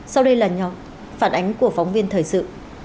sau đây là phản ánh của phóng viên thời sự